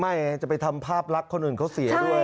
ไม่จะไปทำภาพลักษณ์คนอื่นเขาเสียด้วย